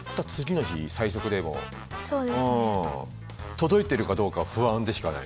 届いてるかどうか不安でしかない。